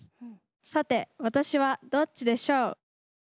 さて私はどっちでしょう？